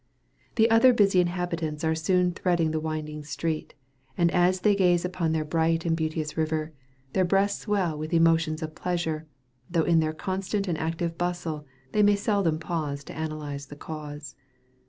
The other busy inhabitants are soon threading the winding street, and as they glance upon their bright and beauteous river, their breasts swell with emotions of pleasure, though in their constant and active bustle, they may seldom pause to analyze the cause.